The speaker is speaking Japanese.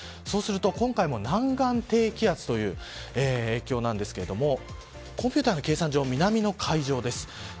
そうすると今回も南岸低気圧という影響なんですけどコンピューターの計算上南の海上です。